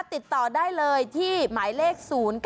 ติดต่อได้เลยที่หมายเลข๐๙